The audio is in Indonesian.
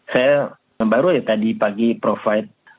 saya baru ya tadi pagi provide